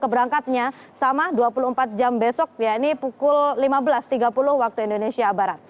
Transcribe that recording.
berangkatnya sama dua puluh empat jam besok ya ini pukul lima belas tiga puluh waktu indonesia barat